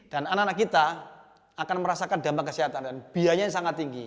dan anak anak kita akan merasakan dampak kesehatan dan biayanya yang sangat tinggi